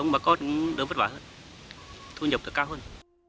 ba con cũng đỡ vất vả hơn thu nhập thật cao hơn